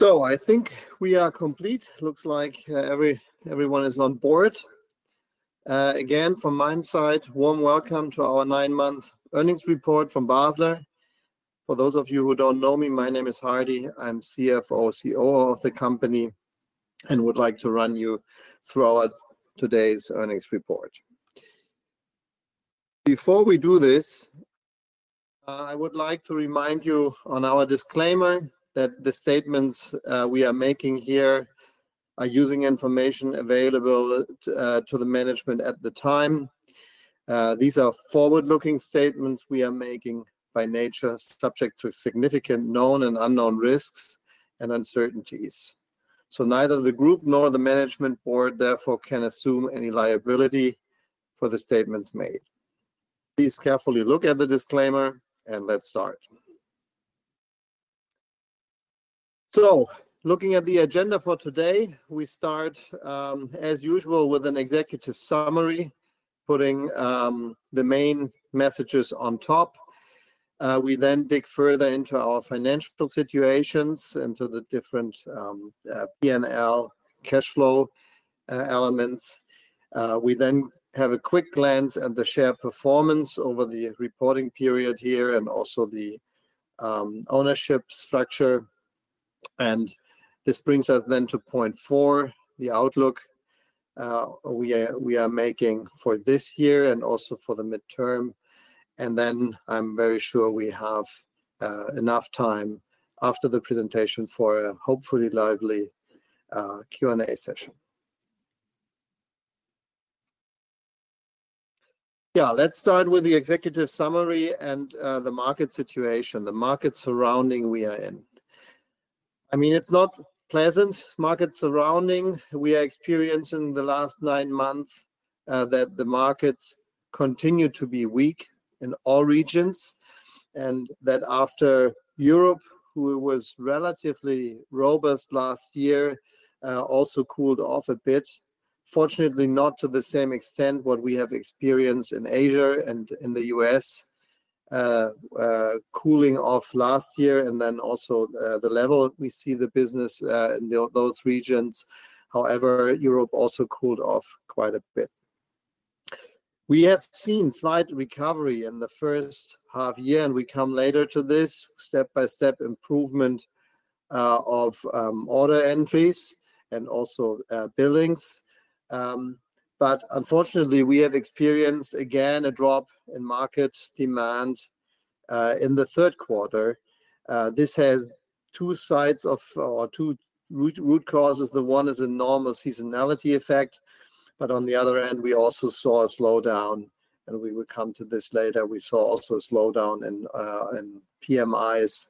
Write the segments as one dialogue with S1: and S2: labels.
S1: So I think we are complete. Looks like everyone is on board. Again, from my side, warm welcome to our nine-month earnings report from Basler. For those of you who don't know me, my name is Hardy. I'm CFO/COO of the company and would like to run you through today's earnings report. Before we do this, I would like to remind you on our disclaimer that the statements we are making here are using information available to the management at the time. These are forward-looking statements we are making by nature, subject to significant known and unknown risks and uncertainties. So neither the group nor the management board, therefore, can assume any liability for the statements made. Please carefully look at the disclaimer, and let's start. So looking at the agenda for today, we start, as usual, with an executive summary, putting the main messages on top. We then dig further into our financial situations and to the different P&L cash flow elements. We then have a quick glance at the share performance over the reporting period here and also the ownership structure. And this brings us then to point four, the outlook we are making for this year and also for the midterm. And then I'm very sure we have enough time after the presentation for a hopefully lively Q&A session. Yeah, let's start with the executive summary and the market situation, the market surrounding we are in. I mean, it's not pleasant, market surrounding. We are experiencing the last nine months that the markets continue to be weak in all regions and that after Europe, who was relatively robust last year, also cooled off a bit. Fortunately, not to the same extent what we have experienced in Asia and in the US, cooling off last year and then also the level we see the business in those regions. However, Europe also cooled off quite a bit. We have seen slight recovery in the first half year, and we come later to this step-by-step improvement of order entries and also billings. But unfortunately, we have experienced again a drop in market demand in the third quarter. This has two sides or two root causes. The one is a normal seasonality effect, but on the other hand, we also saw a slowdown, and we will come to this later. We saw also a slowdown in PMIs.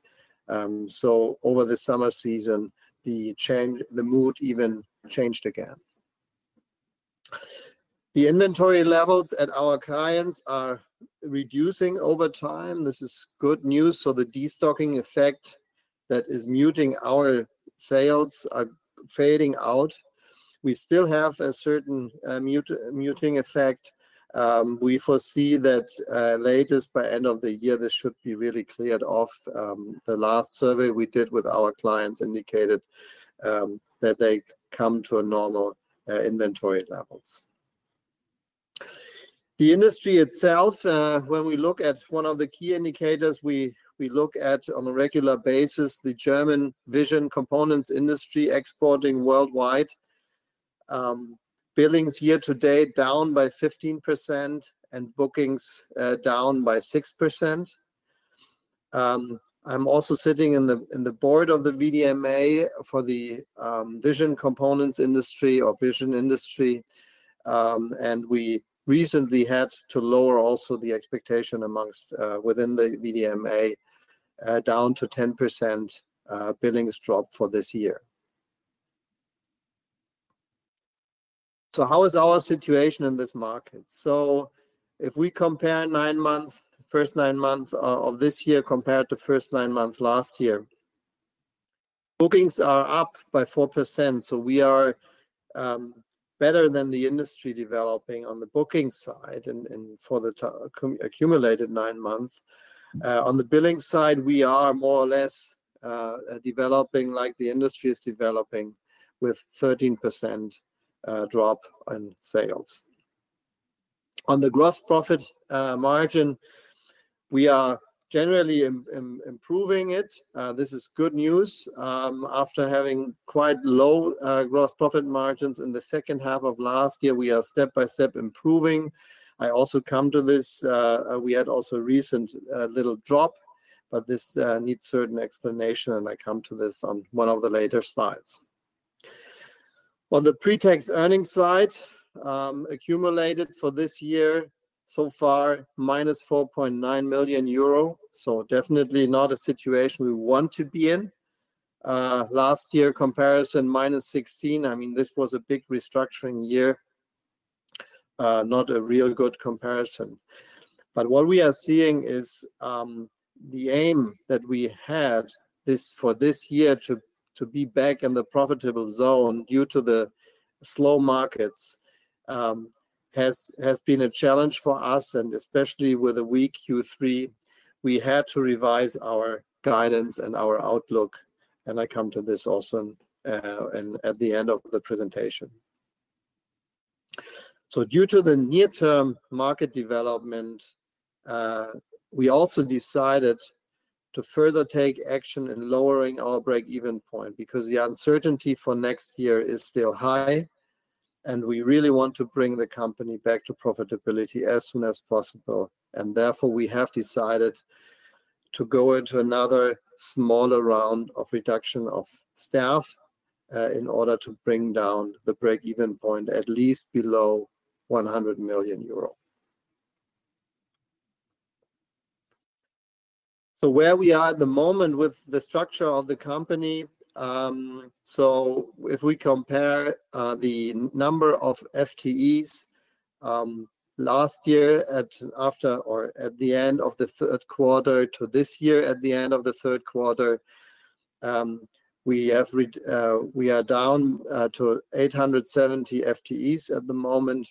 S1: So over the summer season, the mood even changed again. The inventory levels at our clients are reducing over time. This is good news. So the destocking effect that is muting our sales is fading out. We still have a certain muting effect. We foresee that latest by end of the year, this should be really cleared off. The last survey we did with our clients indicated that they come to normal inventory levels. The industry itself, when we look at one of the key indicators we look at on a regular basis, the German vision components industry exporting worldwide, billings year to date down by 15% and bookings down by 6%. I'm also sitting in the board of the VDMA for the vision components industry or vision industry, and we recently had to lower also the expectation amongst the VDMA down to 10% billings drop for this year. So how is our situation in this market? So if we compare nine months, first nine months of this year compared to first nine months last year, bookings are up by 4%. So we are better than the industry developing on the booking side and for the accumulated nine months. On the billing side, we are more or less developing like the industry is developing with 13% drop in sales. On the gross profit margin, we are generally improving it. This is good news. After having quite low gross profit margins in the second half of last year, we are step by step improving. I also come to this. We had also a recent little drop, but this needs certain explanation, and I come to this on one of the later slides. On the pre-tax earnings side, accumulated for this year so far, -4.9 million euro. So definitely not a situation we want to be in. Last year comparison, -16 million. I mean, this was a big restructuring year, not a real good comparison, but what we are seeing is the aim that we had for this year to be back in the profitable zone due to the slow markets has been a challenge for us, and especially with a weak Q3, we had to revise our guidance and our outlook, and I come to this also at the end of the presentation, so due to the near-term market development, we also decided to further take action in lowering our break-even point because the uncertainty for next year is still high, and we really want to bring the company back to profitability as soon as possible, and therefore, we have decided to go into another smaller round of reduction of staff in order to bring down the break-even point at least below 100 million euro. So, where we are at the moment with the structure of the company. So if we compare the number of FTEs last year, after or at the end of the third quarter to this year at the end of the third quarter, we are down to 870 FTEs at the moment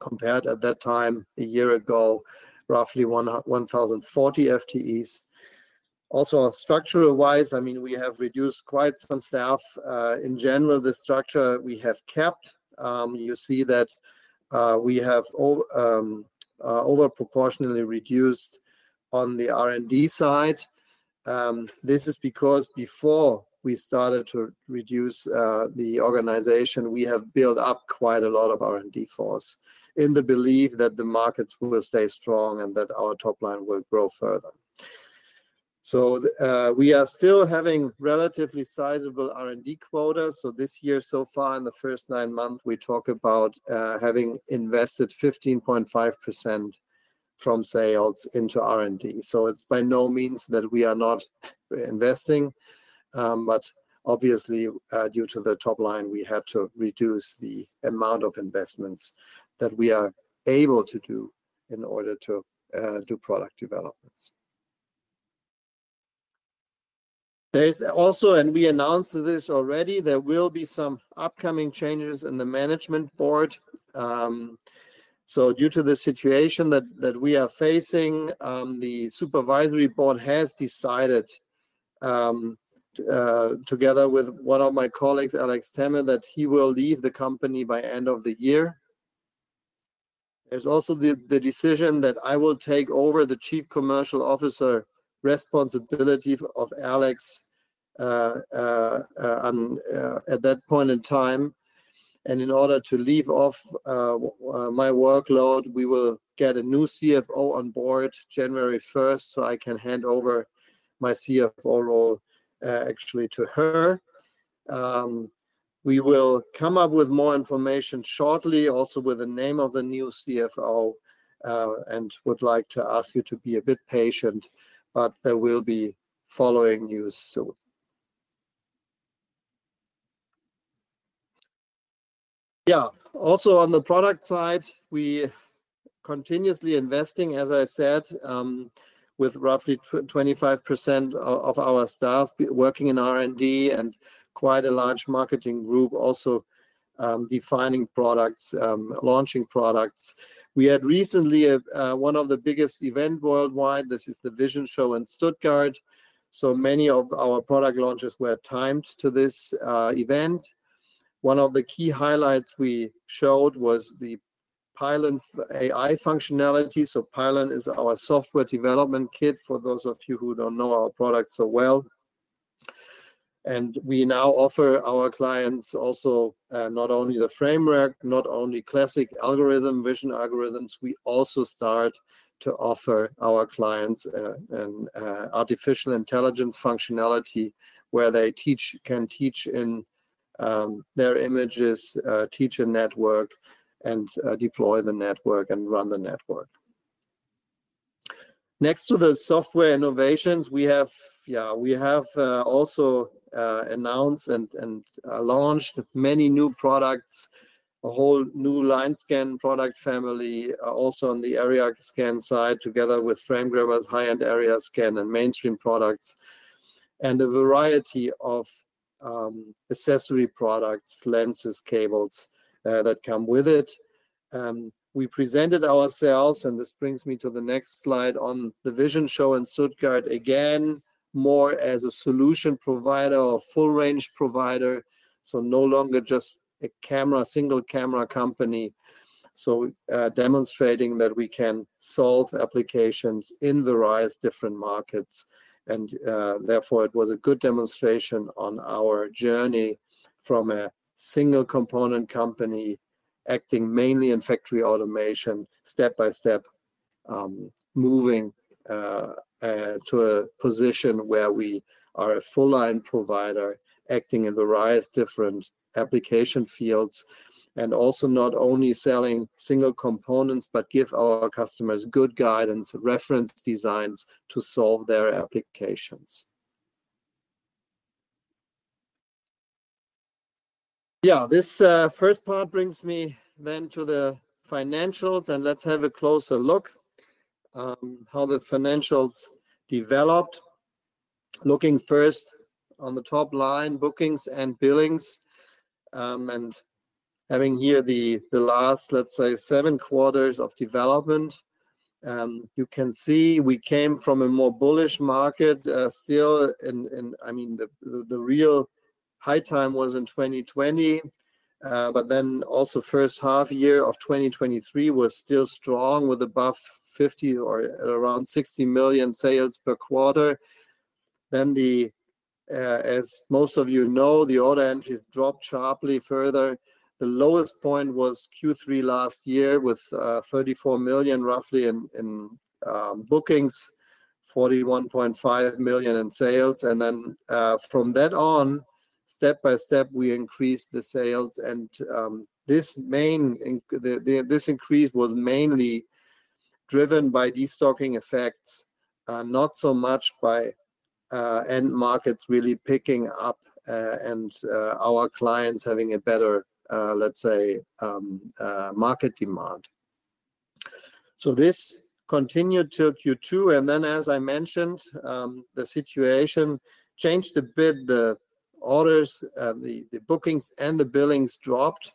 S1: compared to that time a year ago, roughly 1,040 FTEs. Also structural-wise, I mean, we have reduced quite some staff. In general, the structure we have kept. You see that we have overproportionately reduced on the R&D side. This is because before we started to reduce the organization, we have built up quite a lot of R&D force in the belief that the markets will stay strong and that our top line will grow further. So we are still having relatively sizable R&D quotas. This year so far, in the first nine months, we talk about having invested 15.5% from sales into R&D. It's by no means that we are not reinvesting, but obviously due to the top line, we had to reduce the amount of investments that we are able to do in order to do product developments. There's also, and we announced this already, there will be some upcoming changes in the management board. Due to the situation that we are facing, the supervisory board has decided together with one of my colleagues, Alex Temme, that he will leave the company by end of the year. There's also the decision that I will take over the Chief Commercial Officer responsibility of Alex at that point in time. And in order to relieve of my workload, we will get a new CFO on board January 1st so I can hand over my CFO role actually to her. We will come up with more information shortly, also with the name of the new CFO, and would like to ask you to be a bit patient, but there will be following news soon. Yeah. Also on the product side, we are continuously investing, as I said, with roughly 25% of our staff working in R&D and quite a large marketing group also defining products, launching products. We had recently one of the biggest events worldwide. This is the Vision Show in Stuttgart. So many of our product launches were timed to this event. One of the key highlights we showed was the Pylon AI functionality. So Pylon is our software development kit for those of you who don't know our product so well. And we now offer our clients also not only the framework, not only classic algorithms, vision algorithms. We also start to offer our clients an artificial intelligence functionality where they can teach in their images, teach a network, and deploy the network and run the network. Next to the software innovations, we have also announced and launched many new products, a whole new line scan product family also on the area scan side together with frame grabbers high-end area scan and mainstream products and a variety of accessory products, lenses, cables that come with it. We presented ourselves, and this brings me to the next slide on the Vision Show in Stuttgart again, more as a solution provider or full-range provider. So no longer just a single camera company. So, demonstrating that we can solve applications in various different markets. And therefore, it was a good demonstration on our journey from a single component company acting mainly in factory automation, step by step moving to a position where we are a full-line provider acting in various different application fields and also not only selling single components, but give our customers good guidance, reference designs to solve their applications. Yeah, this first part brings me then to the financials, and let's have a closer look at how the financials developed. Looking first on the top line, bookings and billings, and having here the last, let's say, seven quarters of development, you can see we came from a more bullish market still in, I mean, the real high time was in 2020, but then also first half year of 2023 was still strong with above 50 million or around 60 million sales per quarter. Then, as most of you know, the order entries dropped sharply further. The lowest point was Q3 last year with 34 million roughly in bookings, 41.5 million in sales. And then from that on, step by step, we increased the sales. And this increase was mainly driven by destocking effects, not so much by end markets really picking up and our clients having a better, let's say, market demand. So this continued till Q2. And then, as I mentioned, the situation changed a bit. The orders, the bookings, and the billings dropped.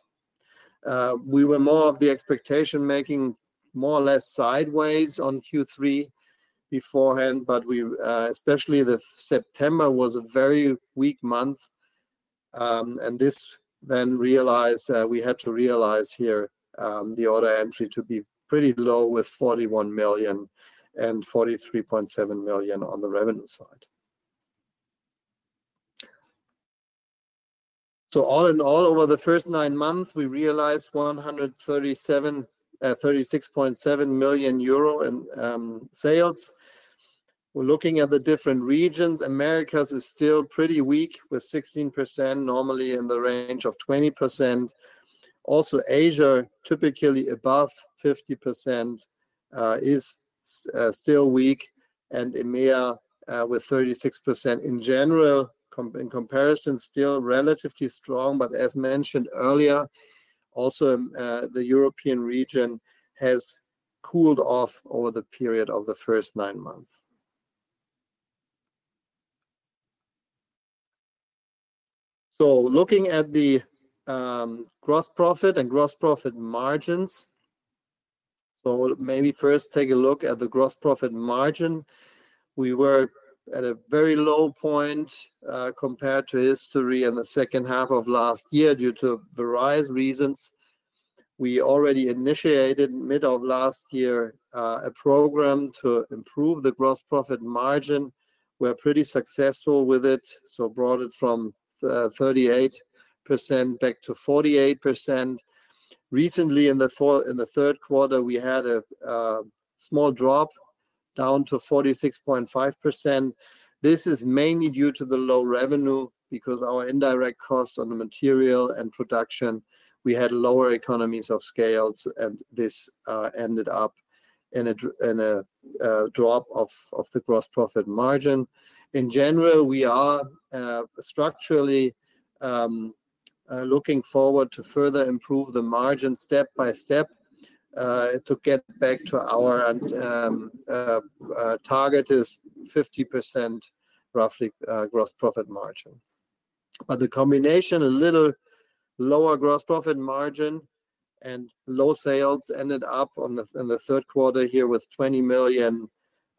S1: We were more of the expectation making more or less sideways on Q3 beforehand, but especially September was a very weak month. And this then realized we had to realize here the order entry to be pretty low with 41 million and 43.7 million on the revenue side. So all in all, over the first nine months, we realized 136.7 million euro in sales. We're looking at the different regions. Americas is still pretty weak with 16%, normally in the range of 20%. Also Asia, typically above 50%, is still weak and EMEA with 36% in general. In comparison, still relatively strong, but as mentioned earlier, also the European region has cooled off over the period of the first nine months. So looking at the gross profit and gross profit margins, so maybe first take a look at the gross profit margin. We were at a very low point compared to history in the second half of last year due to various reasons. We already initiated mid of last year a program to improve the gross profit margin. We're pretty successful with it, so brought it from 38% back to 48%. Recently, in the third quarter, we had a small drop down to 46.5%. This is mainly due to the low revenue because our indirect costs on the material and production, we had lower economies of scales, and this ended up in a drop of the gross profit margin. In general, we are structurally looking forward to further improve the margin step by step to get back to our target is 50% roughly gross profit margin. The combination, a little lower gross profit margin and low sales ended up in the third quarter here with 20 million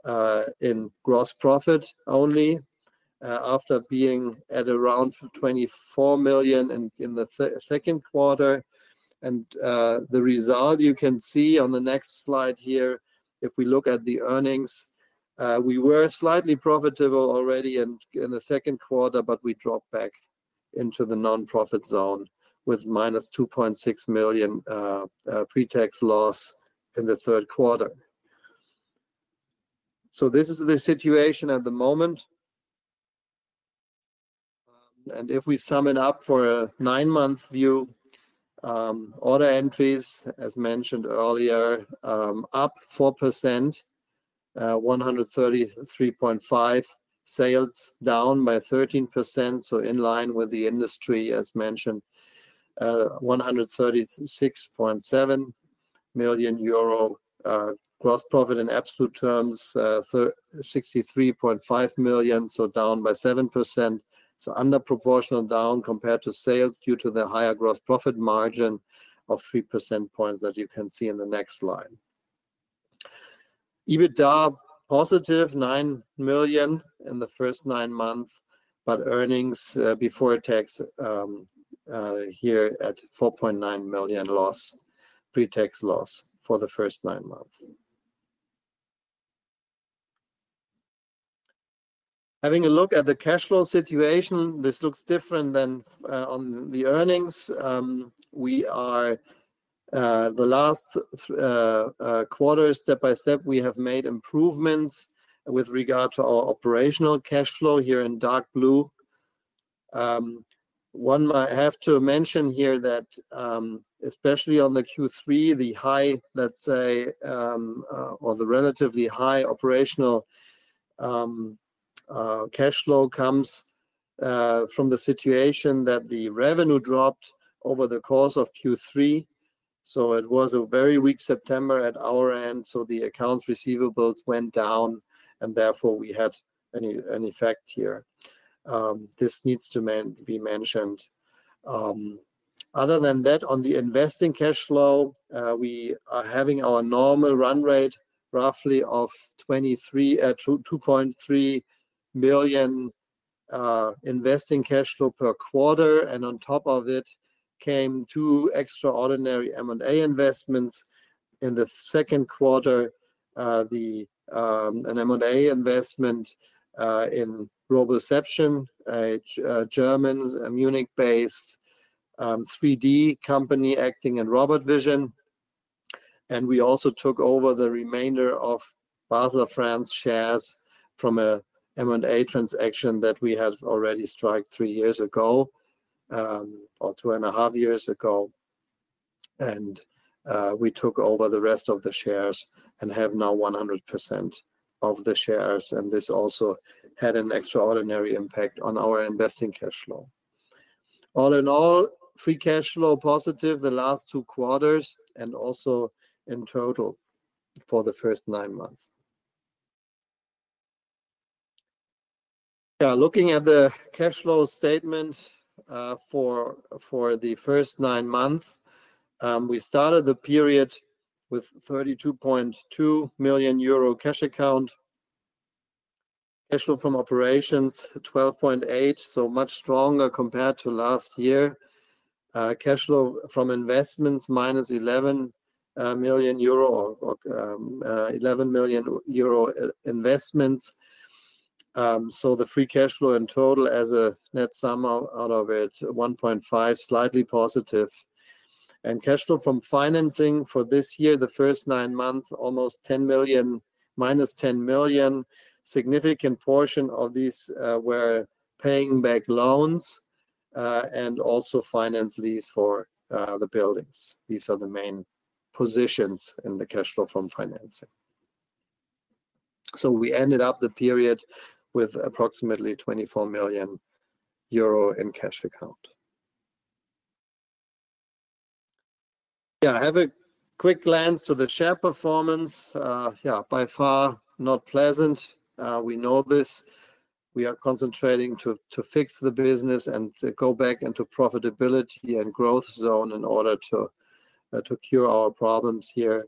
S1: EUR in gross profit only after being at around 24 million in the second quarter. The result you can see on the next slide here, if we look at the earnings, we were slightly profitable already in the second quarter, but we dropped back into the nonprofit zone with -2.6 million pre-tax loss in the third quarter. This is the situation at the moment. If we sum it up for a nine-month view, order entries, as mentioned earlier, up 4%, 133.5 sales, down by 13%. In line with the industry, as mentioned, 136.7 million euro gross profit in absolute terms, 63.5 million, so down by 7%. So underproportional down compared to sales due to the higher gross profit margin of 3 percentage points that you can see in the next line. EBITDA +9 million in the first nine months, but earnings before tax here at 4.9 million loss, pre-tax loss for the first nine months. Having a look at the cash flow situation, this looks different than on the earnings. We are the last quarter, step by step, we have made improvements with regard to our operational cash flow here in dark blue. One might have to mention here that especially on the Q3, the high, let's say, or the relatively high operational cash flow comes from the situation that the revenue dropped over the course of Q3. So it was a very weak September at our end. So the accounts receivables went down, and therefore we had an effect here. This needs to be mentioned. Other than that, on the investing cash flow, we are having our normal run rate roughly of 23, 2.3 million investing cash flow per quarter, and on top of it came two extraordinary M&A investments. In the second quarter, an M&A investment in Roboception, a German Munich-based 3D company acting in robot vision, and we also took over the remainder of Basler France shares from an M&A transaction that we had already struck three years ago or two and a half years ago, and we took over the rest of the shares and have now 100% of the shares. And this also had an extraordinary impact on our investing cash flow. All in all, free cash flow positive the last two quarters and also in total for the first nine months. Yeah, looking at the cash flow statement for the first nine months, we started the period with 32.2 million euro cash account, cash flow from operations 12.8, so much stronger compared to last year. Cash flow from investments -11 million euro investments. So the free cash flow in total as a net sum out of it, 1.5, slightly positive. And cash flow from financing for this year, the first nine months, almost 10 million, -10 million. Significant portion of these were paying back loans and also finance lease for the buildings. These are the main positions in the cash flow from financing. So we ended up the period with approximately 24 million euro in cash account. Yeah, I have a quick glance to the share performance. Yeah, by far not pleasant. We know this. We are concentrating to fix the business and go back into profitability and growth zone in order to cure our problems here.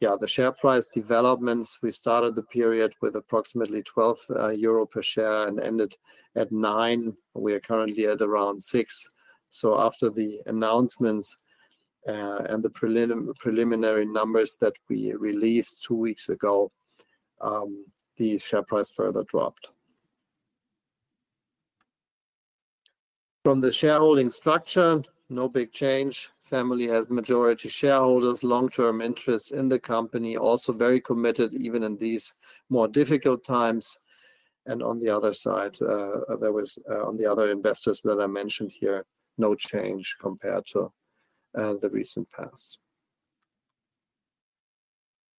S1: Yeah, the share price developments, we started the period with approximately 12 euro per share and ended at 9. We are currently at around 6. So after the announcements and the preliminary numbers that we released two weeks ago, the share price further dropped. From the shareholding structure, no big change. Family has majority shareholders, long-term interest in the company, also very committed even in these more difficult times. And on the other side, there were other investors that I mentioned here, no change compared to the recent past.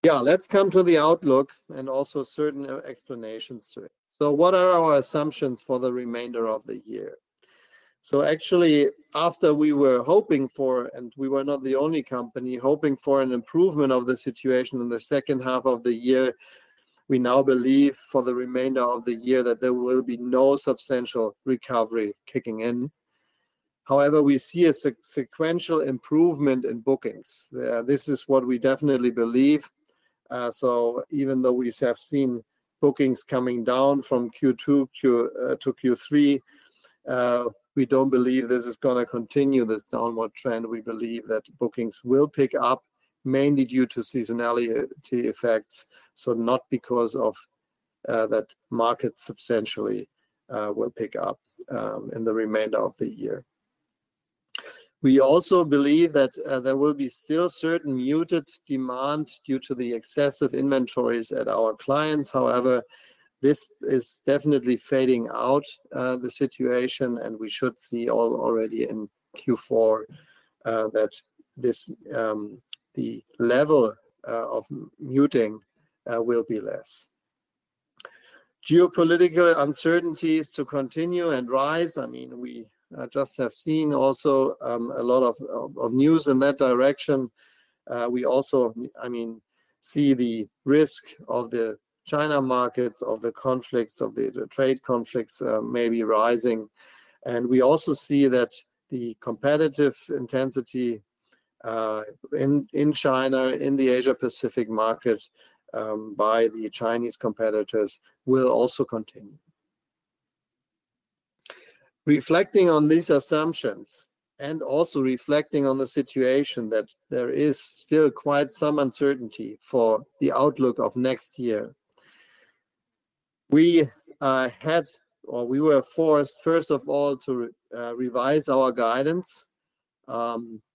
S1: Yeah, let's come to the outlook and also certain explanations to it. So what are our assumptions for the remainder of the year? So actually, after we were hoping for, and we were not the only company hoping for an improvement of the situation in the second half of the year, we now believe for the remainder of the year that there will be no substantial recovery kicking in. However, we see a sequential improvement in bookings. This is what we definitely believe. So even though we have seen bookings coming down from Q2 to Q3, we don't believe this is going to continue this downward trend. We believe that bookings will pick up mainly due to seasonality effects, so not because of that market substantially will pick up in the remainder of the year. We also believe that there will be still certain muted demand due to the excessive inventories at our clients. However, this is definitely fading out, the situation, and we should see already in Q4 that the level of muting will be less. Geopolitical uncertainties to continue and rise. I mean, we just have seen also a lot of news in that direction. We also, I mean, see the risk of the China markets, of the conflicts, of the trade conflicts maybe rising. And we also see that the competitive intensity in China, in the Asia-Pacific market by the Chinese competitors will also continue. Reflecting on these assumptions and also reflecting on the situation that there is still quite some uncertainty for the outlook of next year, we had or we were forced, first of all, to revise our guidance.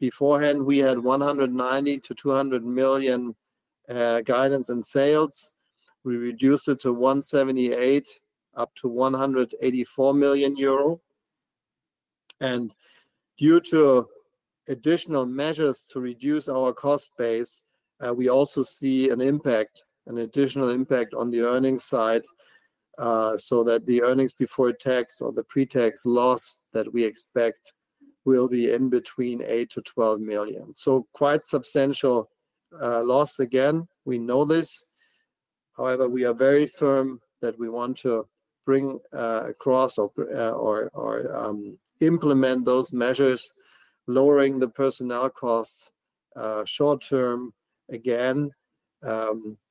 S1: Beforehand, we had 190 million-200 million guidance and sales. We reduced it to 178 million up to 184 million euro. And due to additional measures to reduce our cost base, we also see an impact, an additional impact on the earnings side so that the earnings before tax or the pre-tax loss that we expect will be in between 8 million-12 million. So quite substantial loss again. We know this. However, we are very firm that we want to bring across or implement those measures, lowering the personnel costs short-term again,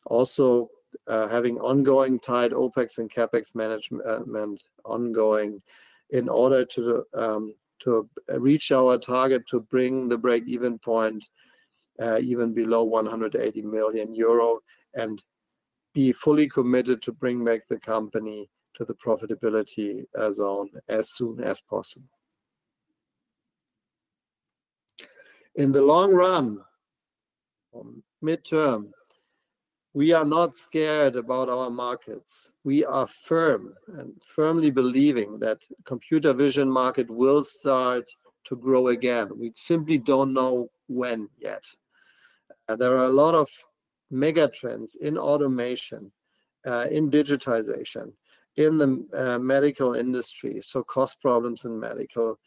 S1: also having ongoing tight OpEx and CapEx management ongoing in order to reach our target to bring the break-even point even below 180 million euro and be fully committed to bring back the company to the profitability zone as soon as possible. In the long run, midterm, we are not scared about our markets. We are firm and firmly believing that computer vision market will start to grow again. We simply don't know when yet. There are a lot of mega trends in automation, in digitization, in the medical industry, so cost problems in medical,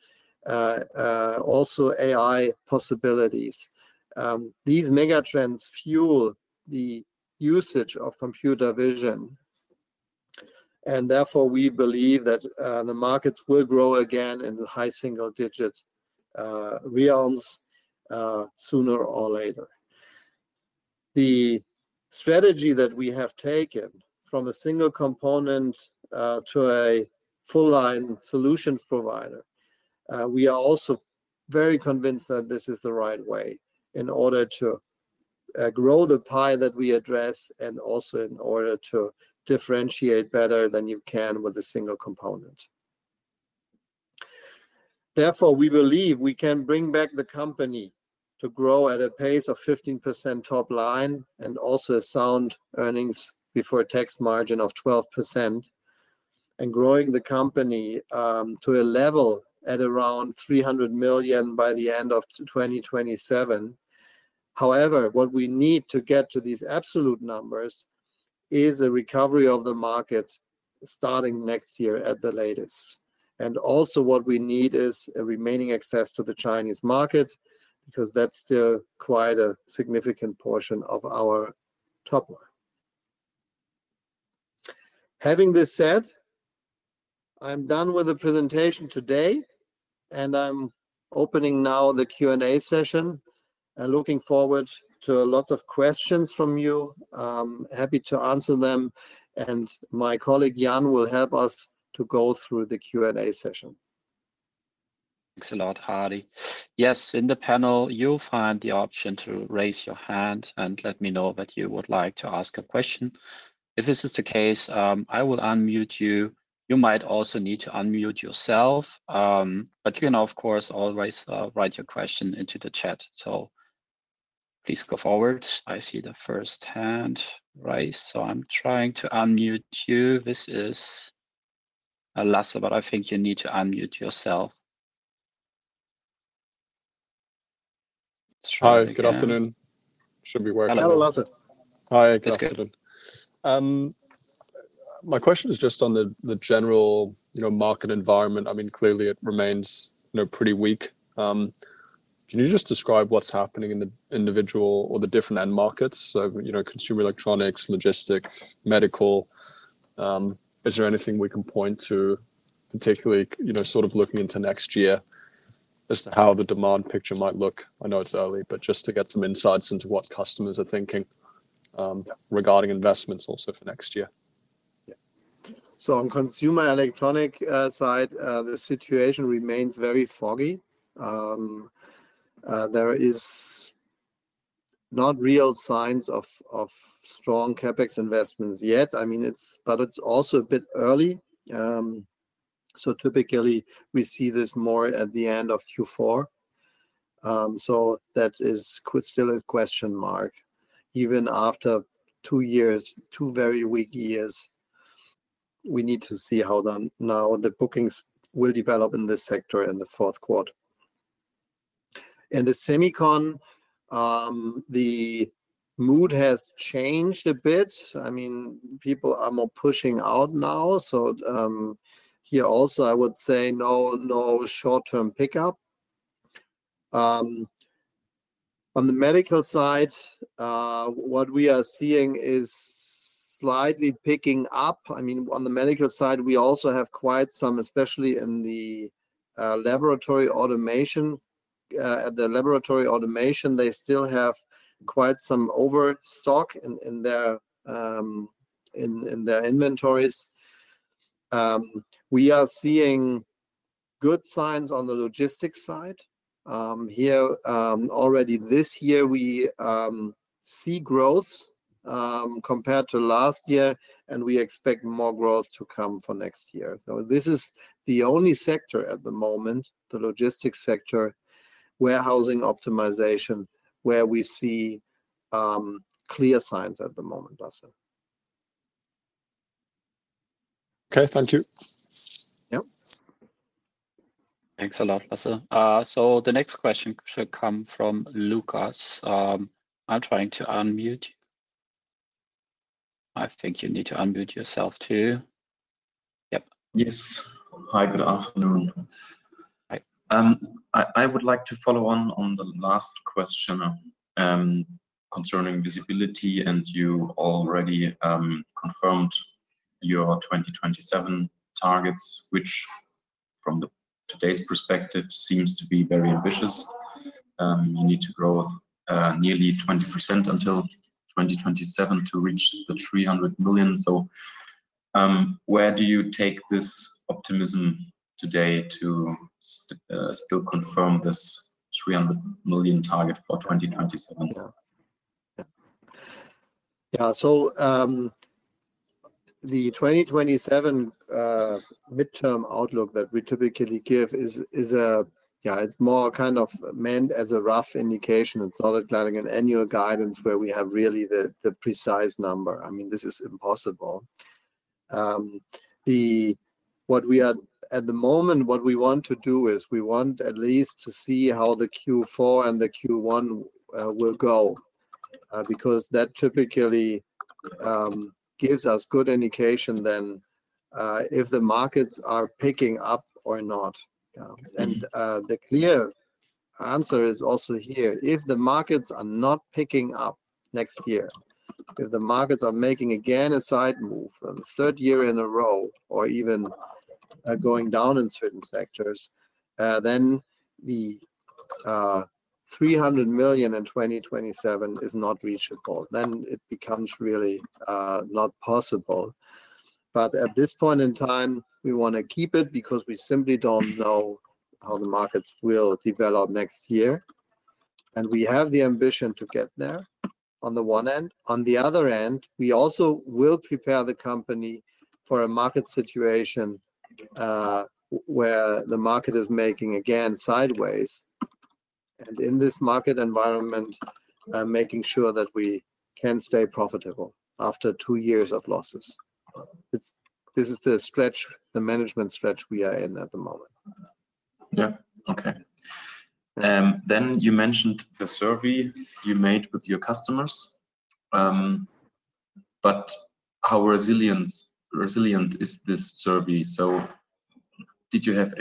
S1: also AI possibilities. These mega trends fuel the usage of computer vision and therefore, we believe that the markets will grow again in the high single-digit realms sooner or later. The strategy that we have taken from a single component to a full-line solutions provider, we are also very convinced that this is the right way in order to grow the pie that we address and also in order to differentiate better than you can with a single component. Therefore, we believe we can bring back the company to grow at a pace of 15% top line and also sound earnings before tax margin of 12% and growing the company to a level at around 300 million by the end of 2027. However, what we need to get to these absolute numbers is a recovery of the market starting next year at the latest. And also what we need is a remaining access to the Chinese market because that's still quite a significant portion of our top line. Having this said, I'm done with the presentation today, and I'm opening now the Q&A session and looking forward to lots of questions from you. Happy to answer them, and my colleague Jan will help us to go through the Q&A session. Thanks a lot, Hardy. Yes, in the panel, you'll find the option to raise your hand and let me know that you would like to ask a question. If this is the case, I will unmute you. You might also need to unmute yourself, but you can, of course, always write your question into the chat. So please go forward. I see the first hand raised, so I'm trying to unmute you. This is Lasse, but I think you need to unmute yourself. Hi, good afternoon. Should be working. Hello, Lasse. Hi, good afternoon. My question is just on the general market environment. I mean, clearly, it remains pretty weak. Can you just describe what's happening in the individual or the different end markets? So consumer electronics, logistics, medical. Is there anything we can point to, particularly sort of looking into next year as to how the demand picture might look? I know it's early, but just to get some insights into what customers are thinking regarding investments also for next year. Yeah. So on consumer electronics side, the situation remains very foggy. There are not real signs of strong CapEx investments yet. I mean, but it's also a bit early. Typically, we see this more at the end of Q4. That is still a question mark. Even after two years, two very weak years, we need to see how now the bookings will develop in this sector in the fourth quarter. In the semicon, the mood has changed a bit. I mean, people are more pushing out now. Here also, I would say no short-term pickup. On the medical side, what we are seeing is slightly picking up. I mean, on the medical side, we also have quite some, especially in the laboratory automation. At the laboratory automation, they still have quite some overstock in their inventories. We are seeing good signs on the logistics side. Here, already this year, we see growth compared to last year, and we expect more growth to come for next year. So this is the only sector at the moment, the logistics sector, warehousing optimization, where we see clear signs at the moment, Lasse. Okay, thank you. Yeah. Thanks a lot, Lasse. So the next question should come from Lukas. I'm trying to unmute. I think you need to unmute yourself too. Yep. Yes. Hi, good afternoon. Hi. I would like to follow on the last question concerning visibility, and you already confirmed your 2027 targets, which from today's perspective seems to be very ambitious. You need to grow nearly 20% until 2027 to reach the 300 million. So where do you take this optimism today to still confirm this 300 million target for 2027? Yeah. Yeah. So the 2027 midterm outlook that we typically give is a, yeah, it's more kind of meant as a rough indication. It's not like an annual guidance where we have really the precise number. I mean, this is impossible. At the moment, what we want to do is we want at least to see how the Q4 and the Q1 will go because that typically gives us good indication then if the markets are picking up or not. And the clear answer is also here. If the markets are not picking up next year, if the markets are making again a side move for the third year in a row or even going down in certain sectors, then the 300 million in 2027 is not reachable. Then it becomes really not possible. But at this point in time, we want to keep it because we simply don't know how the markets will develop next year. And we have the ambition to get there on the one end. On the other end, we also will prepare the company for a market situation where the market is making again sideways. And in this market environment, making sure that we can stay profitable after two years of losses. This is the stretch, the management stretch we are in at the moment. Yeah. Okay. Then you mentioned the survey you made with your customers. But how resilient is this survey? So did you make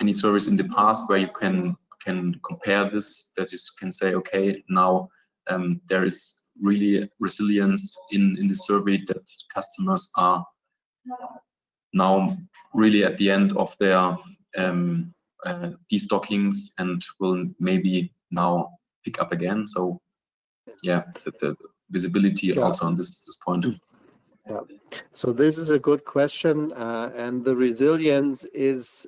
S1: any surveys in the past where you can compare this that you can say, "Okay, now there is really resilience in the survey that customers are now really at the end of their destockings and will maybe now pick up again"? So yeah, the visibility also on this point. Yeah. So this is a good question. And the resilience is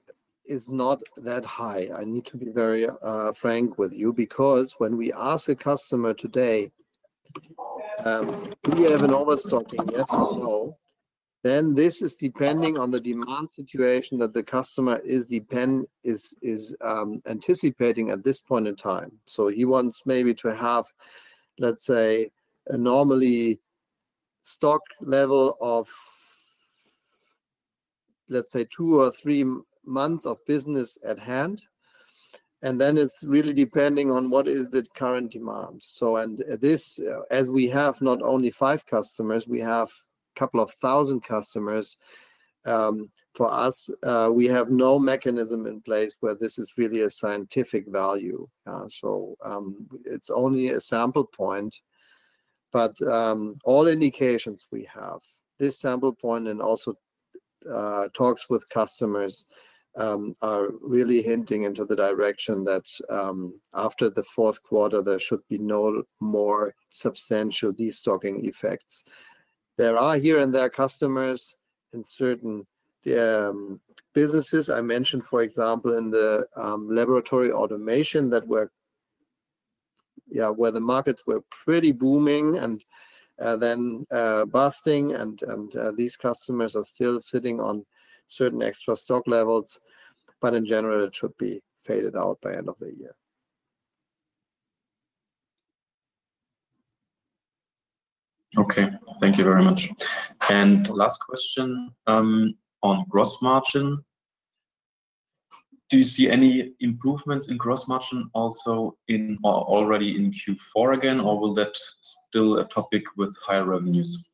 S1: not that high. I need to be very frank with you because when we ask a customer today, "Do you have an overstocking? Yes or no?" Then this is depending on the demand situation that the customer is anticipating at this point in time. So he wants maybe to have, let's say, a normal stock level of, let's say, two or three months of business at hand. And then it's really depending on what is the current demand. So as we have not only five customers, we have a couple of thousand customers. For us, we have no mechanism in place where this is really a scientific value. So it's only a sample point. But all indications we have, this sample point and also talks with customers are really hinting into the direction that after the fourth quarter, there should be no more substantial destocking effects. There are here and there customers in certain businesses. I mentioned, for example, in the laboratory automation that were where the markets were pretty booming and then busting, and these customers are still sitting on certain extra stock levels. But in general, it should be faded out by the end of the year. Okay. Thank you very much. And last question on gross margin. Do you see any improvements in gross margin also already in Q4 again, or will that still be a topic with higher revenues?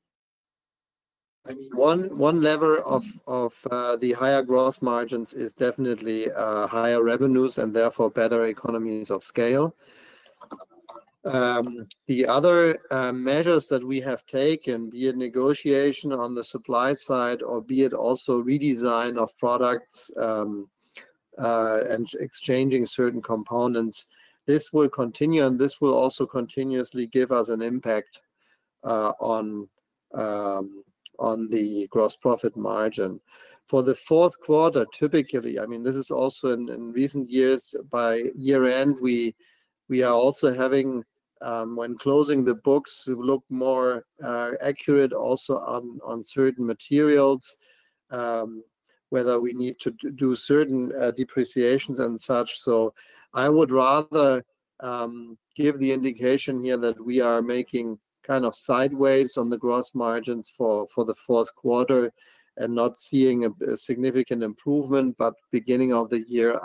S1: I mean, one lever of the higher gross margins is definitely higher revenues and therefore better economies of scale. The other measures that we have taken, be it negotiation on the supply side or be it also redesign of products and exchanging certain components, this will continue and this will also continuously give us an impact on the gross profit margin. For the fourth quarter, typically, I mean, this is also in recent years, by year-end, we are also having, when closing the books, look more accurate also on certain materials, whether we need to do certain depreciations and such. So I would rather give the indication here that we are making kind of sideways on the gross margins for the fourth quarter and not seeing a significant improvement. But beginning of the year,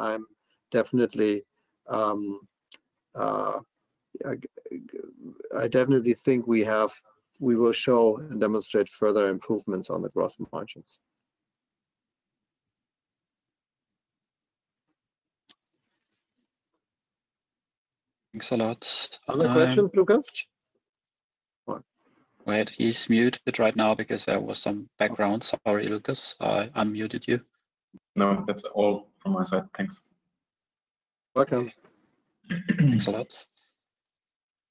S1: I definitely think we will show and demonstrate further improvements on the gross margins. Thanks a lot. Other questions, Lukas? Go ahead. He's muted right now because there was some background. Sorry, Lukas. I muted you. No, that's all from my side. Thanks. Welcome. Thanks a lot.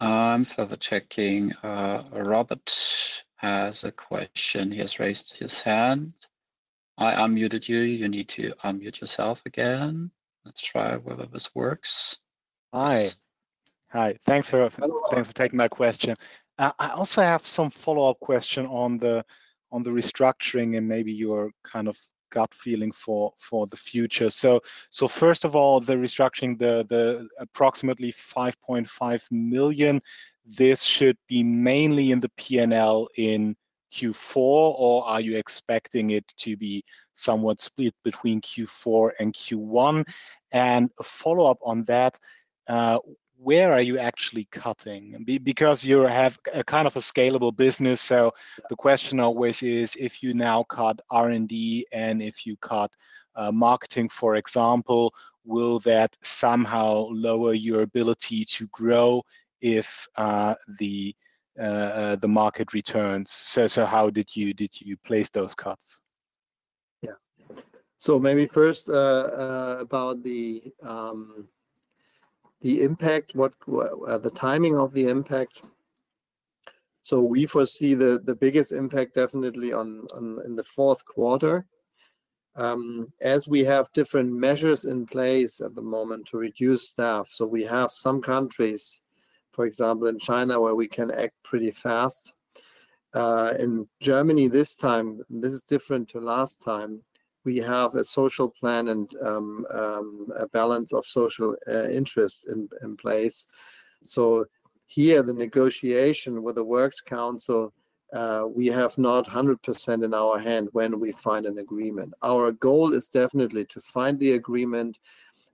S1: I'm further checking. Robert has a question. He has raised his hand. I unmuted you. You need to unmute yourself again. Let's try whether this works. Hi. Hi. Thanks for taking my question. I also have some follow-up questions on the restructuring and maybe your kind of gut feeling for the future. So first of all, the restructuring, the approximately 5.5 million, this should be mainly in the P&L in Q4, or are you expecting it to be somewhat split between Q4 and Q1? And a follow-up on that, where are you actually cutting? Because you have kind of a scalable business, so. The question always is, if you now cut R&D and if you cut marketing, for example, will that somehow lower your ability to grow if the market returns? So how did you place those cuts? Yeah. So maybe first about the impact, the timing of the impact. So we foresee the biggest impact definitely in the fourth quarter. As we have different measures in place at the moment to reduce staff. So we have some countries, for example, in China, where we can act pretty fast. In Germany this time, this is different to last time. We have a social plan and a balance of social interest in place. So here, the negotiation with the Works Council, we have not 100% in our hand when we find an agreement. Our goal is definitely to find the agreement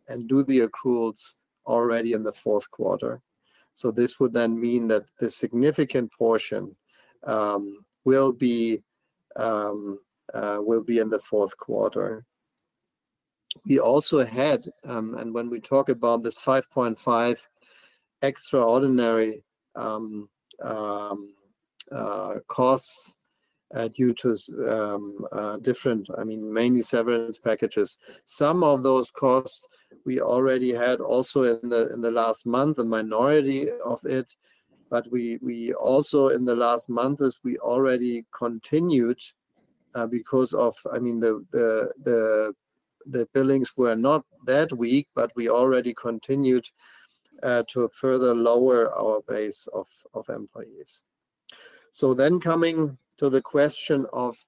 S1: and do the accruals already in the fourth quarter. So this would then mean that the significant portion will be in the fourth quarter. We also had, and when we talk about this 5.5 extraordinary costs due to different, I mean, mainly severance packages. Some of those costs we already had also in the last month, a minority of it. But also in the last months, we already continued because of, I mean, the billings were not that weak, but we already continued to further lower our base of employees. So then coming to the question of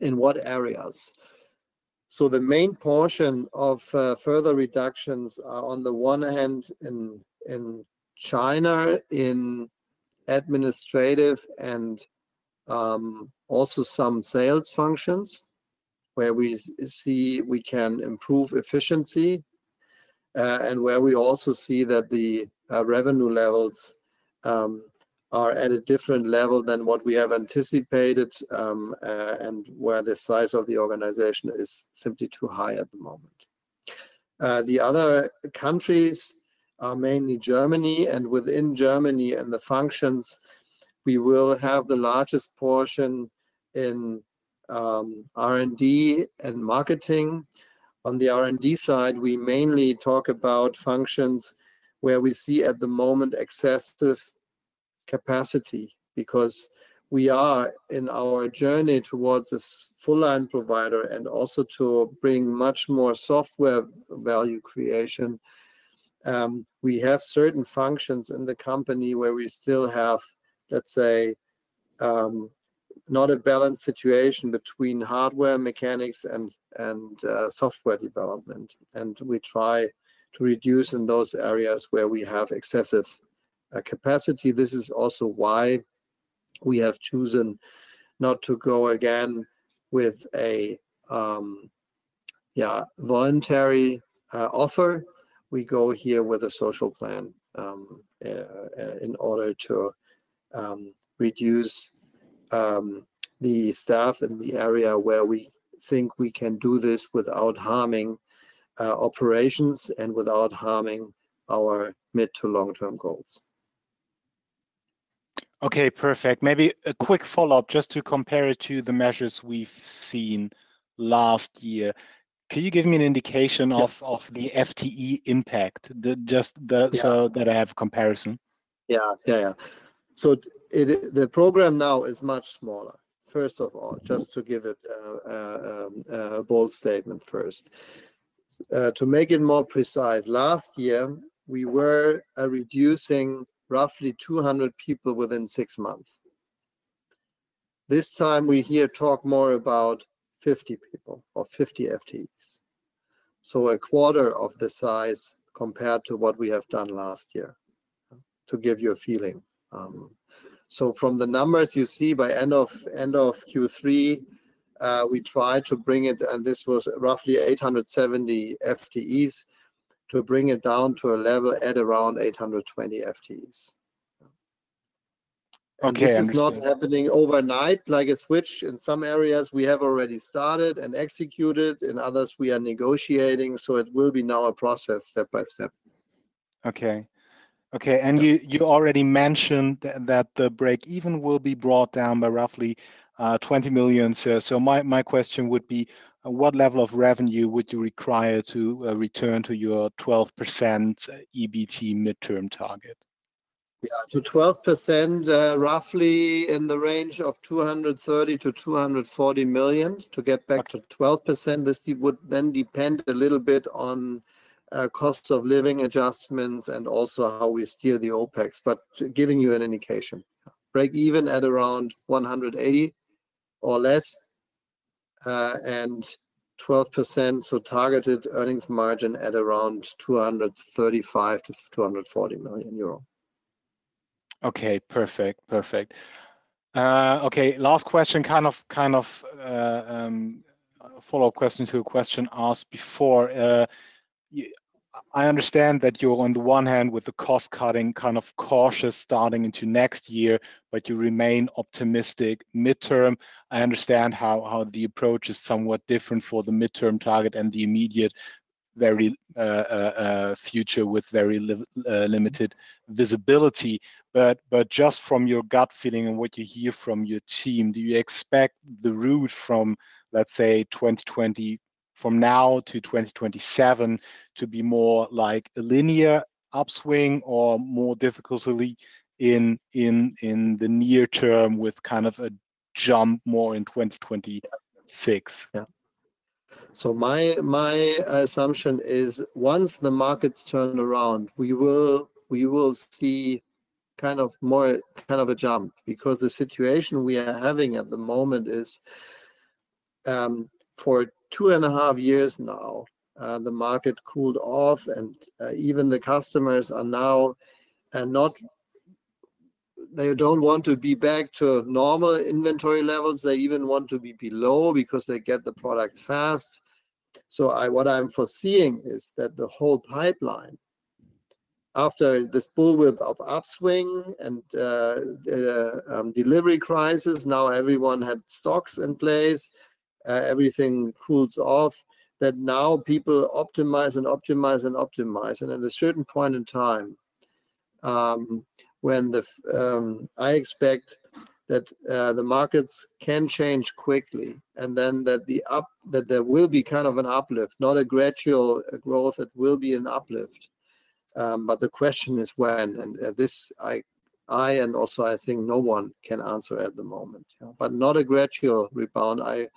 S1: in what areas. So the main portion of further reductions are on the one hand in China, in administrative and also some sales functions where we see we can improve efficiency and where we also see that the revenue levels are at a different level than what we have anticipated and where the size of the organization is simply too high at the moment. The other countries are mainly Germany and within Germany and the functions, we will have the largest portion in R&D and marketing. On the R&D side, we mainly talk about functions where we see at the moment excessive capacity because we are in our journey towards a full-time provider and also to bring much more software value creation. We have certain functions in the company where we still have, let's say, not a balanced situation between hardware, mechanics, and software development. And we try to reduce in those areas where we have excessive capacity. This is also why we have chosen not to go again with a, yeah, voluntary offer. We go here with a social plan in order to reduce the staff in the area where we think we can do this without harming operations and without harming our mid to long-term goals. Okay. Perfect. Maybe a quick follow-up just to compare it to the measures we've seen last year. Can you give me an indication of the FTE impact just so that I have a comparison? Yeah. Yeah. So the program now is much smaller, first of all, just to give it a bold statement first. To make it more precise, last year, we were reducing roughly 200 people within six months. This time, we here talk more about 50 people or 50 FTEs. So a quarter of the size compared to what we have done last year, to give you a feeling. So from the numbers you see, by end of Q3, we tried to bring it, and this was roughly 870 FTEs, to bring it down to a level at around 820 FTEs. And this is not happening overnight like a switch. In some areas, we have already started and executed. In others, we are negotiating. So it will be now a process step by step. Okay. Okay. And you already mentioned that the break-even will be brought down by roughly 20 million here. So my question would be, what level of revenue would you require to return to your 12% EBT midterm target? Yeah. To 12%, roughly in the range of 230 million-240 million to get back to 12%. This would then depend a little bit on cost of living adjustments and also how we steer the OpEx, but giving you an indication. Break-even at around 180 million or less and 12%, so targeted earnings margin at around 235 million-240 million euro. Okay. Perfect. Perfect. Okay. Last question, kind of follow-up question to a question asked before. I understand that you're, on the one hand, with the cost cutting kind of cautious starting into next year, but you remain optimistic midterm. I understand how the approach is somewhat different for the midterm target and the immediate future with very limited visibility. But just from your gut feeling and what you hear from your team, do you expect the route from, let's say, 2020 from now to 2027 to be more like a linear upswing or more difficulty in the near term with kind of a jump more in 2026? Yeah. So my assumption is once the markets turn around, we will see kind of a jump because the situation we are having at the moment is for two and a half years now, the market cooled off, and even the customers are now not, they don't want to be back to normal inventory levels. They even want to be below because they get the products fast. So what I'm foreseeing is that the whole pipeline, after this bullwhip of upswing and delivery crisis, now everyone had stocks in place, everything cools off, that now people optimize and optimize and optimize. And at a certain point in time, I expect that the markets can change quickly and then that there will be kind of an uplift, not a gradual growth. It will be an uplift. But the question is when. And this, I and also I think no one can answer at the moment. But not a gradual rebound. I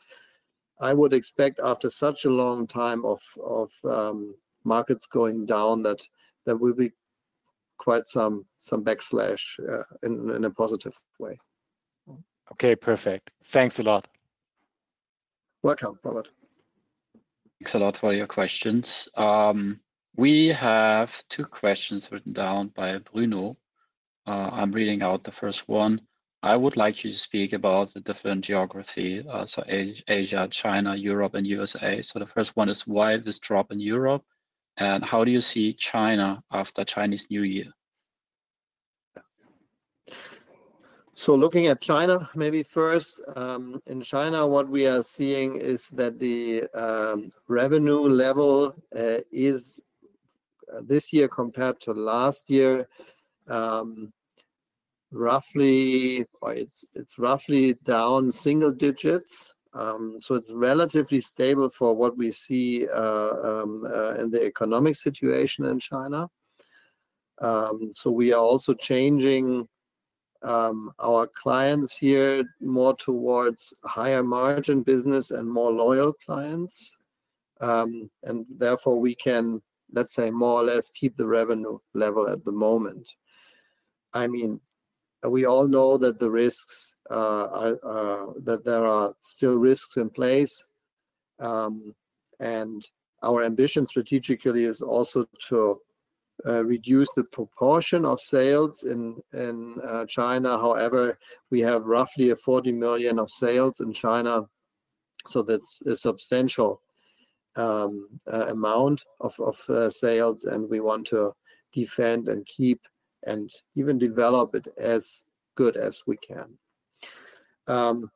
S1: would expect after such a long time of markets going down that there will be quite some backlash in a positive way. Okay. Perfect. Thanks a lot. Welcome, Robert. Thanks a lot for your questions. We have two questions written down by Bruno. I'm reading out the first one. I would like you to speak about the different geographies, so Asia, China, Europe, and USA. So the first one is, why this drop in Europe? And how do you see China after Chinese New Year? So looking at China, maybe first, in China, what we are seeing is that the revenue level is this year compared to last year, roughly, it's roughly down single digits. So it's relatively stable for what we see in the economic situation in China. So we are also changing our clients here more towards higher margin business and more loyal clients. And therefore, we can, let's say, more or less keep the revenue level at the moment. I mean, we all know that the risks, that there are still risks in place. And our ambition strategically is also to reduce the proportion of sales in China. However, we have roughly 40 million of sales in China. So that's a substantial amount of sales. And we want to defend and keep and even develop it as good as we can.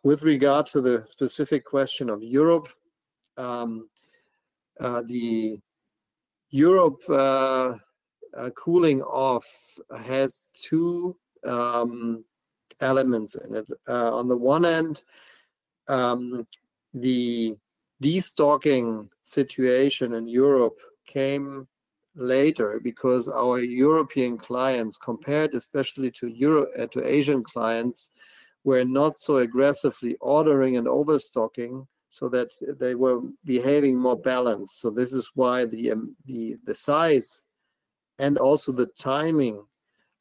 S1: With regard to the specific question of Europe, the Europe cooling off has two elements in it. On the one hand, the destocking situation in Europe came later because our European clients, compared especially to Asian clients, were not so aggressively ordering and overstocking so that they were behaving more balanced. So this is why the size and also the timing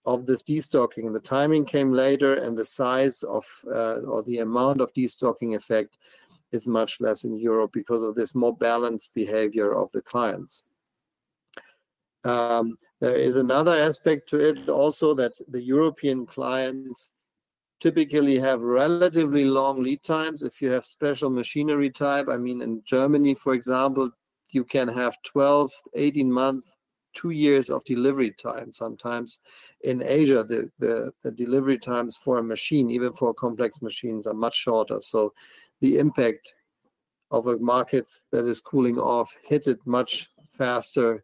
S1: of this destocking, the timing came later, and the size of or the amount of destocking effect is much less in Europe because of this more balanced behavior of the clients. There is another aspect to it also that the European clients typically have relatively long lead times. If you have special machinery type, I mean, in Germany, for example, you can have 12, 18 months, two years of delivery time sometimes. In Asia, the delivery times for a machine, even for complex machines, are much shorter. So the impact of a market that is cooling off hit it much faster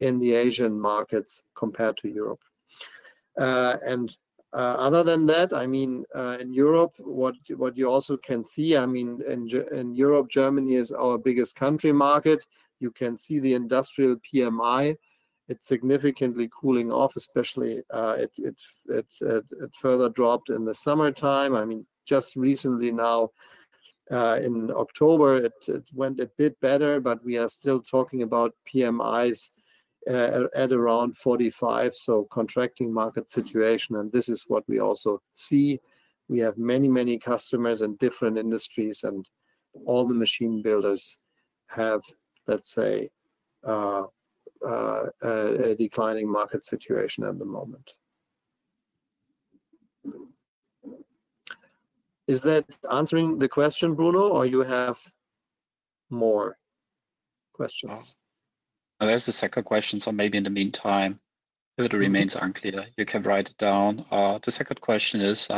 S1: in the Asian markets compared to Europe. And other than that, I mean, in Europe, what you also can see, I mean, in Europe, Germany is our biggest country market. You can see the industrial PMI. It's significantly cooling off, especially it further dropped in the summertime. I mean, just recently now, in October, it went a bit better, but we are still talking about PMIs at around 45. So contracting market situation. And this is what we also see. We have many, many customers in different industries, and all the machine builders have, let's say, a declining market situation at the moment. Is that answering the question, Bruno, or you have more questions? There's a second question, so maybe in the meantime, if it remains unclear, you can write it down. The second question is,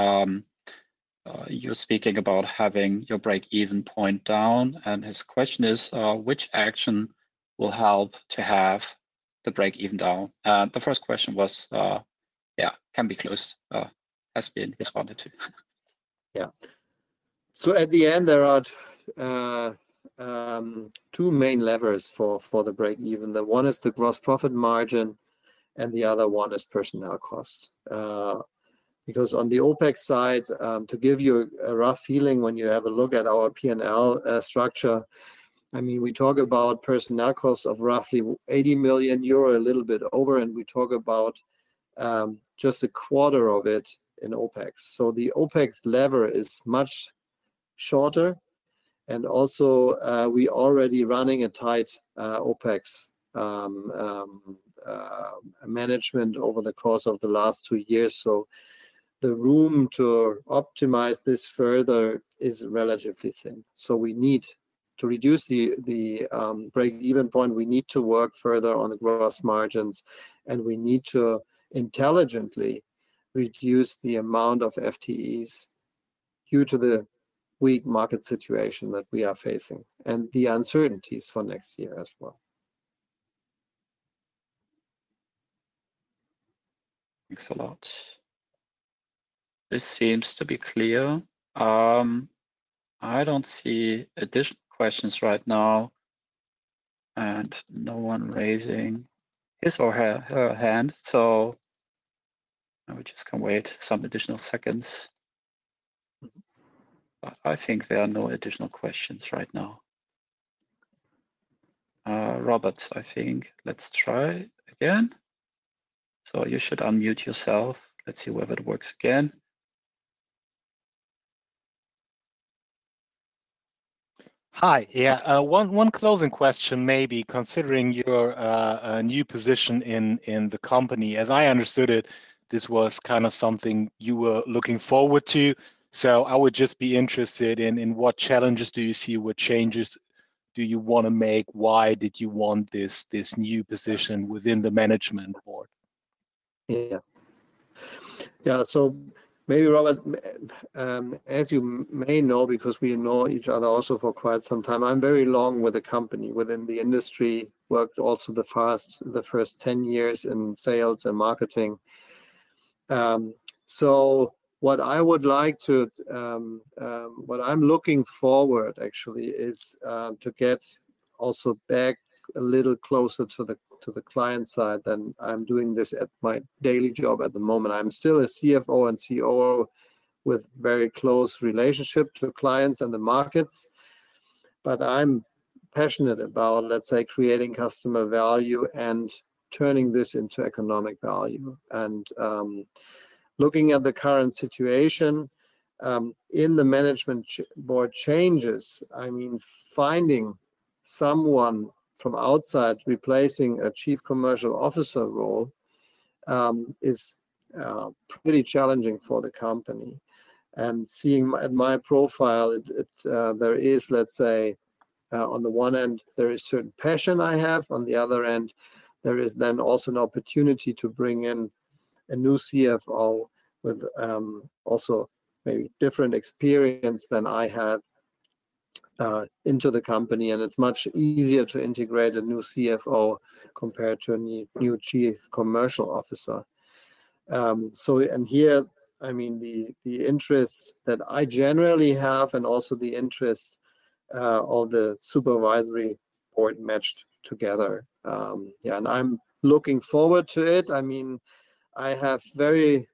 S1: you're speaking about having your break-even point down, and his question is, which action will help to have the break-even down? The first question was, yeah, can be closed, has been responded to. Yeah, so at the end, there are two main levers for the break-even. The one is the gross profit margin, and the other one is personnel cost. Because on the OpEx side, to give you a rough feeling when you have a look at our P&L structure, I mean, we talk about personnel cost of roughly 80 million euro, a little bit over, and we talk about just a quarter of it in OpEx. So the OpEx lever is much shorter. And also, we are already running a tight OpEx management over the course of the last two years. So the room to optimize this further is relatively thin. So we need to reduce the break-even point. We need to work further on the gross margins, and we need to intelligently reduce the amount of FTEs due to the weak market situation that we are facing and the uncertainties for next year as well. Thanks a lot. This seems to be clear. I don't see additional questions right now, and no one raising his or her hand. So we just can wait some additional seconds. I think there are no additional questions right now. Robert, I think let's try again. So you should unmute yourself. Let's see whether it works again. Hi. Yeah. One closing question, maybe considering your new position in the company. As I understood it, this was kind of something you were looking forward to. So I would just be interested in what challenges do you see? What changes do you want to make? Why did you want this new position within the Management Board? Yeah. Yeah. So maybe, Robert, as you may know, because we know each other also for quite some time, I'm very long with the company within the industry, worked also the first 10 years in sales and marketing. What I'm looking forward actually is to get also back a little closer to the client side than I'm doing this at my daily job at the moment. I'm still a CFO and COO with a very close relationship to clients and the markets. But I'm passionate about, let's say, creating customer value and turning this into economic value. And looking at the current situation in the management board changes, I mean, finding someone from outside replacing a Chief Commercial Officer role is pretty challenging for the company. And seeing at my profile, there is, let's say, on the one end, there is certain passion I have. On the other end, there is then also an opportunity to bring in a new CFO with also maybe different experience than I had into the company. It's much easier to integrate a new CFO compared to a new chief commercial officer. Here, I mean, the interests that I generally have and also the interests of the supervisory board matched together. Yeah. I'm looking forward to it. I mean, I have very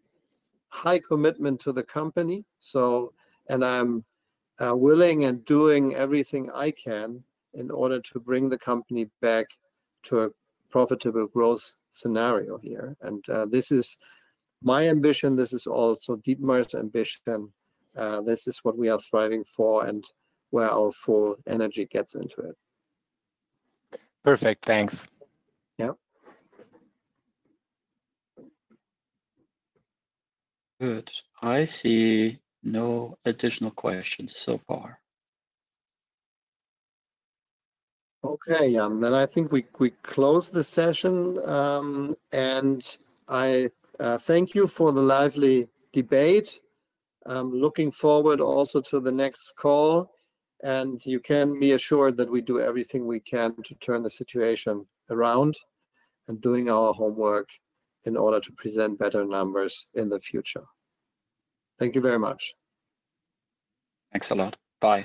S1: high commitment to the company. I'm willing and doing everything I can in order to bring the company back to a profitable growth scenario here. This is my ambition. This is also Dietmar's ambition. This is what we are striving for and where our full energy gets into it. Perfect. Thanks. Yeah. Good. I see no additional questions so far. Okay. I think we close the session. I thank you for the lively debate. I'm looking forward also to the next call. You can be assured that we do everything we can to turn the situation around and doing our homework in order to present better numbers in the future. Thank you very much. Thanks a lot. Bye.